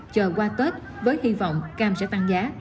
chờ qua tết với hy vọng cam sẽ tăng giá